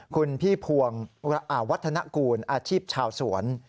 คุณพี่พวงวัฒนกูลอาชีพชาวสวน